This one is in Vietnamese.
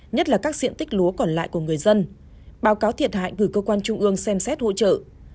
nhất là các diện tích lúa còn lại của người dân báo cáo thiệt hại gửi cơ quan trung ương xem xét hỗ trợ